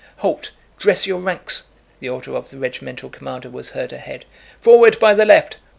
"Halt! Dress your ranks!" the order of the regimental commander was heard ahead. "Forward by the left.